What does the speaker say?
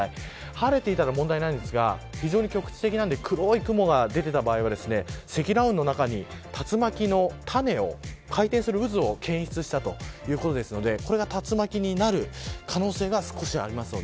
晴れていたら問題ないですが非常に局地的なので黒い雲が出た場合は積乱雲の中に竜巻の種を、回転する渦を検知したということなのでこれが竜巻になる可能性が少しあります。